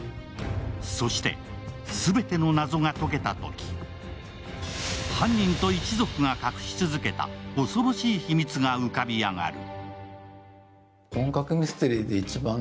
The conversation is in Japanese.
そして全ての謎が解けたとき犯人と一族が隠し続けた恐ろしい秘密が浮かび上がる。